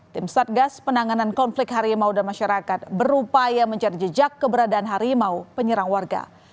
tim satgas penanganan konflik harimau dan masyarakat berupaya mencari jejak keberadaan harimau penyerang warga